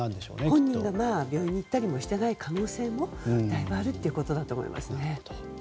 本人が病院に行ったりしていない可能性もだいぶあるということだと思いますね。